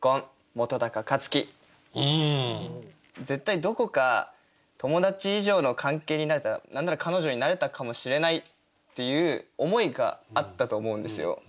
絶対どこか友達以上の関係になれたら何なら彼女になれたかもしれないっていう思いがあったと思うんですよ。